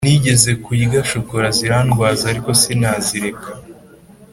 nigeze kurya shokola zirandwaza ariko sinazireka